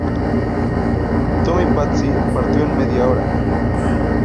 Tommy Patsy partió en media hora.